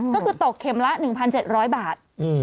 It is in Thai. ก็คือตกเข็มละ๑๗๐๐บาท